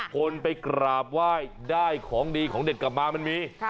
คนไปกราบไหว้ได้ของดีของเด็ดกลับมามันมี